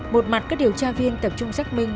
một mặt các điều tra viên tập trung xác minh